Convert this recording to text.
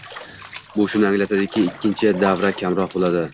Bu shuni anglatadiki, ikkinchi davra kamroq bo'ladi